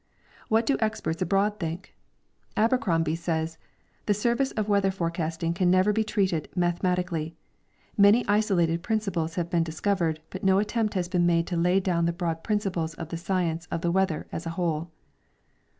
What do experts abroad think? Abercrombie says: "The service of weather forecasting can ne^'er be treated mathemat ically. *^"* Many isolated principles have been discovered, but no attempt has l)een made to lay down the broad principles of the science of the weather as a whole."